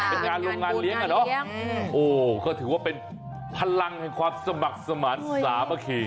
เป็นงานโรงงานเลี้ยงอ่ะเนอะโอ้ก็ถือว่าเป็นพลังแห่งความสมัครสมานสามัคคี